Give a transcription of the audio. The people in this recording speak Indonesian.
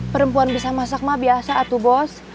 perempuan bisa masak mah biasa atau bos